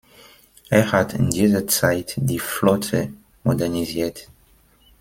Er hat in dieser Zeit die Flotte modernisiert.